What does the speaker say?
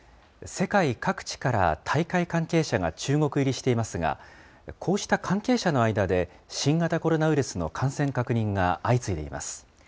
世界各地から大会関係者が中国入りしていますが、こうした関係者の間で、新型コロナウイルスの感染確認が相次いでいます。